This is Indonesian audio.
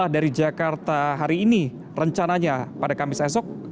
dari jakarta hari ini rencananya pada kamis esok